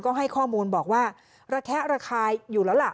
ก็ให้ข้อมูลบอกว่าระแคะระคายอยู่แล้วล่ะ